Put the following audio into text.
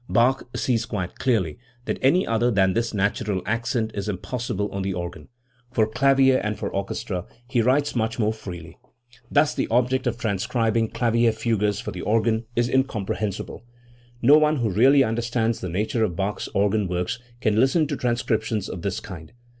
Bach sees quite clearly that any other than this natural accent is impossible on the organ. For clavier and for orchestra he writes much more freely. Thus the object of transcribing clavier fugues for the organ is incomprehensible. No one who really understands the nature of Bach's organ works can listen to transcriptions of this kind.